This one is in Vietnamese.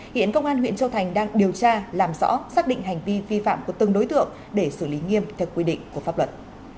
hiện công an huyện châu thành đang điều tra làm rõ xác định hành vi vi phạm của từng đối tượng để xử lý nghiêm theo quy định của pháp luật